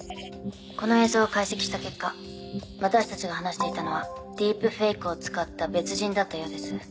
この映像を解析した結果私たちが話していたのはディープフェイクを使った別人だったようです。